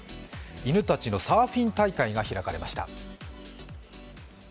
犬たちのサーフィン大会が開かれていました。